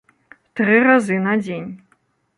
Тры разы на дзень.